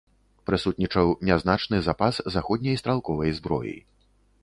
Прысутнічаў нязначны запас заходняй стралковай зброі.